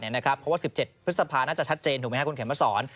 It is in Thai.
เพราะว่า๑๗พฤษภาน่าจะชัดเจนถูกไหมครับคุณเข็มมาสอน